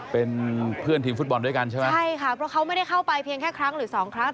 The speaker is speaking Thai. เป็นเพื่อนทีมฟุตบอลด้วยกันใช่ไหมใช่ค่ะเพราะเขาไม่ได้เข้าไปเพียงแค่ครั้งหรือสองครั้ง